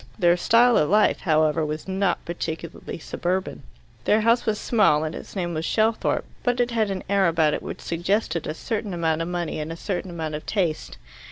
Their style of life, however, was not particularly suburban. Their house was small and its name was Shelthorpe, but it had an air about it which suggested a certain amount of money and a certain amount of taste.